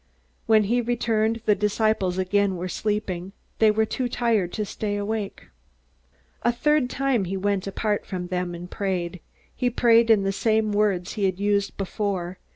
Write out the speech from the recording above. When he returned, the disciples again were sleeping. They were too tired to stay awake. A third time he went apart from them and prayed. He prayed in the same words he had used before.